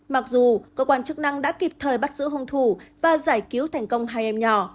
mặc dù cơ quan chức năng đã kịp thời bắt giữ hung thủ và giải cứu thành công hai em nhỏ